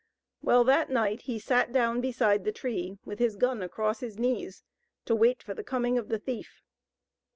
Well, that night he sat down beside the tree, with his gun across his knees, to wait for the coming of the thief.